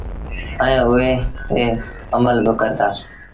ائيٚݩ اُئي تي امل با ڪرتآ۔